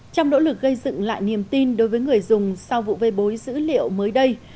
trong nỗ lực gây dựng lại niềm tin đối với người dùng sau vụ bê bối dữ liệu mới đây